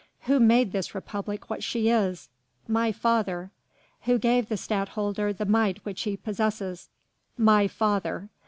Who made this Republic what she is? My father. Who gave the Stadtholder the might which he possesses? My father.